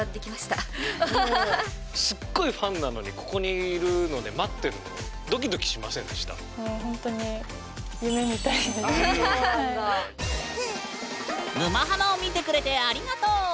すっごいファンなのにここにいるので待ってるのもうほんとに「沼ハマ」を見てくれてありがとう！